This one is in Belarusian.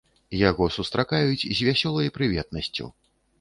Яго сустракаюць з вясёлай прыветнасцю.